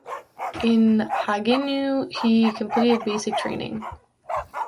In Haguenau he completed basic training.